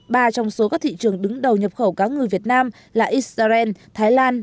ba trong số các thị trường đứng đầu nhập khẩu cá ngừ việt nam là israel thái lan và đức đều có sự tăng trưởng tốt